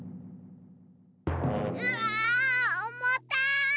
うわおもたい！